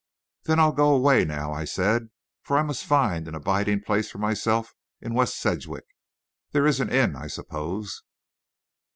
"Then I'll go away now," I said, "for I must find an abiding place for myself in West Sedgwick. There is an inn, I suppose."